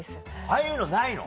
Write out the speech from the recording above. ああいうのないの？